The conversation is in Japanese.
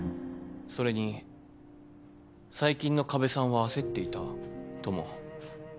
それに最近の加部さんは焦っていたとも。